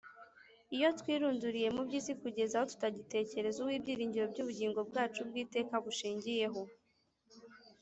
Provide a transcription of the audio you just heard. ,. Iyo twirunduriye mu by’isi kugeza aho tutagitekereza Uwo ibyiringiro by’ubugingo bwacu bw’iteka bushingiyeho,